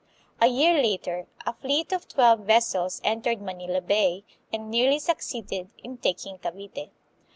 A year later a fleet of twelve vessels entered Manila Bay, and nearly succeeded in taking Cavite.